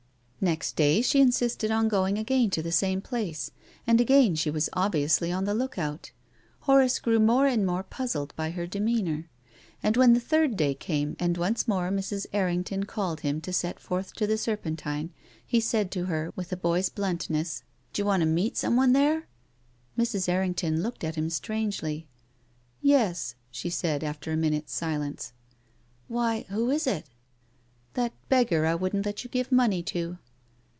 Next day she insisted on going again to the same place, and again she was obviously on the look out. Horace grew more and more puzzled by her demeanour. And when the third day came, and once more Mrs. Errington called him to set forth to the Serpentine, he said to her, with a boy's bluntness " D' you want to meet someone there? " Mrs. Errington looked at him strangely. " Yes," she said, after a minute's silence. "Why, who is it?" " That beggar I wouldn't let you give money to.